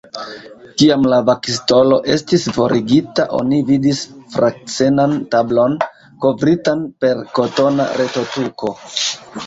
Kiam la vakstolo estis forigita, oni vidis fraksenan tablon, kovritan per kotona retotuko.